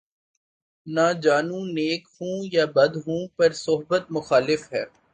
نہ جانوں نیک ہوں یا بد ہوں‘ پر صحبت مخالف ہے